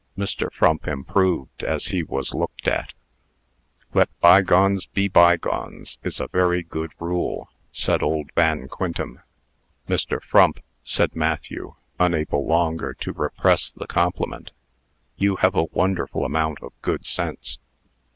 Mr. Frump improved as he was looked at. "Let bygones be bygones' is a very good rule," said old Van Quintem. "Mr. Frump," said Matthew, unable longer to repress the compliment, "you have a wonderful amount of good sense!"